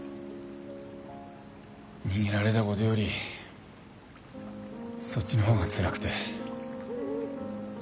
逃げられたことよりそっちの方がつらくて。